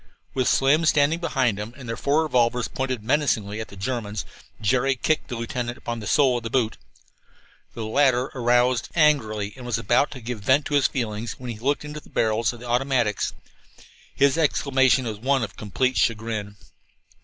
With Slim standing beside him, and their four revolvers pointed menacingly at the Germans, Jerry kicked the lieutenant upon the sole of his boot. The latter roused angrily and was about to give vent to his feelings when he looked into the barrels of the automatics. His exclamation was one of complete chagrin.